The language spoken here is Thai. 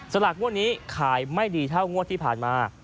สลากงวดนี้ขายไม่ดีเท่างวดที่ผ่านมา